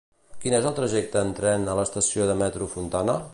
Quin és el trajecte en tren a l'estació de metro Fontana?